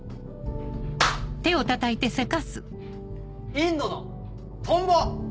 インドのトンボ！